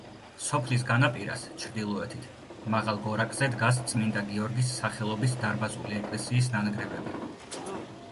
სოფლის განაპირას, ჩრდილოეთით, მაღალ გორაკზე დგას წმინდა გიორგის სახელობის დარბაზული ეკლესიის ნანგრევები.